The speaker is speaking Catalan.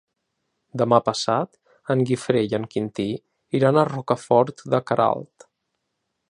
Demà passat en Guifré i en Quintí iran a Rocafort de Queralt.